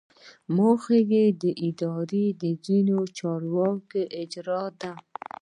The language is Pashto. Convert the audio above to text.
موخه یې د ادارې د ځینو چارو اجرا ده.